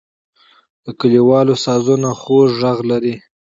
د کلیوالو سازونه خوږ غږ لري.